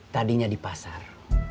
tadinya di pasar